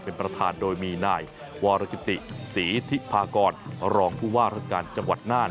เป็นประธานโดยมีนายวรกิติศรีธิพากรรองผู้ว่าราชการจังหวัดน่าน